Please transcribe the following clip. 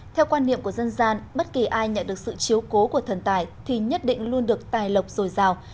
theo quan niệm của dân gian bất kỳ ai nhận được sự chiếu cố của thần tài thì nhất định luôn được tài lộc rồi rào